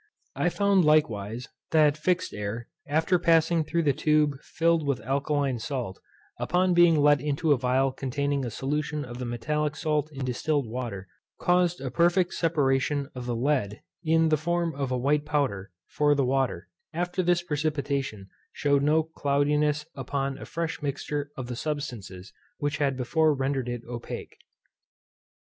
I found likewise, that fixed air, after passing through the tube filled with alkaline salt, upon being let into a phial containing a solution of the metalic salt in distilled water, caused a perfect separation of the lead, in the form of a white powder; for the water, after this precipitation, shewed no cloudiness upon a fresh mixture of the substances which had before rendered it opaque.